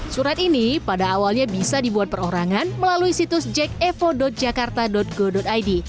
surat ini pada awalnya bisa dibuat perorangan melalui situs jakevo jakarta go id